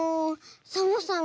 サボさん